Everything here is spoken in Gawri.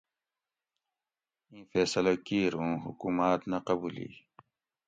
ایں فیصلہ کِیر اوں حکوماۤت نہ قبولی